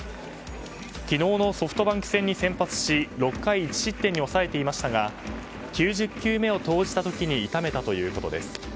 昨日のソフトバンク戦に先発し６回１失点に抑えていましたが９０球目を投じた時に痛めたということです。